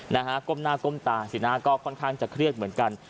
สือหน้ากลมตาพังคันจะเครียดเหมือนกัน